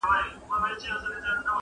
ځکه لاهم پاته څو تڼۍ پر ګرېوانه لرم,